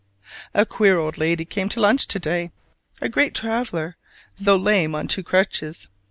A queer old lady came to lunch yesterday, a great traveler, though lame on two crutches.